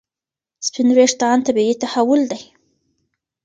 سپین وریښتان طبیعي تحول دی.